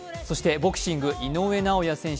ボクシング・井上尚弥選手